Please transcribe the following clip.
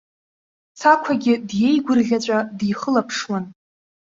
Цақәагьы диеигәырӷьаҵәа дихылаԥшуан.